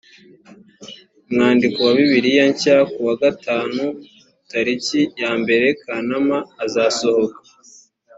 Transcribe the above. umwandiko wa bibiliya nshya kuwa gatanu tariki ya mbere kanama azasohoka